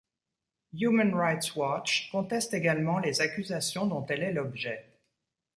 Human Rights Watch conteste également les accusations dont elle est l'objet.